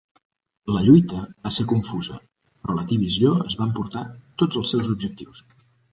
La lluita va ser confusa, però la divisió es va emportar tots els seus objectius.